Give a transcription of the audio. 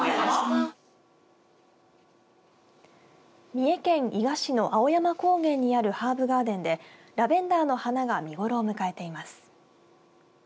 三重県伊賀市の青山高原にあるハーブガーデンでラベンダーの花が見頃を迎えています。